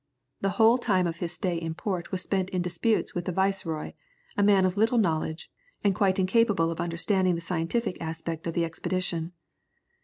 The whole time of his stay in port was spent in disputes with the viceroy, a man of little knowledge, and quite incapable of understanding the scientific aspect of the expedition.